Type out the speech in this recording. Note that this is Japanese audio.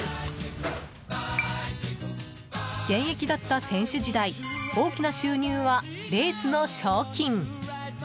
現役だった選手時代大きな収入はレースの賞金。